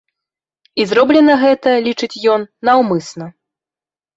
І зроблена гэта, лічыць ён, наўмысна.